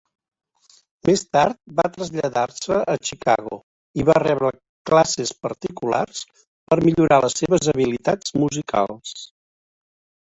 Més tard va traslladar-se a Chicago i va rebre classes particulars per millorar les seves habilitats musicals.